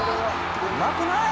うまくない？